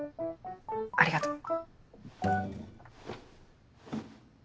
ありがとう。